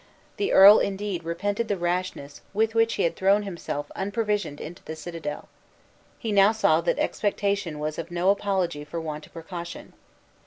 The earl indeed repented the rashness with which he had thrown himself unprovisioned into the citadel. He now saw that expectation was no apology for want of precaution.